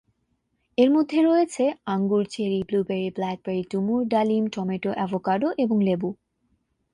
এর মধ্যে রয়েছে আঙ্গুর, চেরি, ব্লুবেরি, ব্ল্যাকবেরি, ডুমুর, ডালিম, টমেটো, অ্যাভোকাডো এবং লেবু।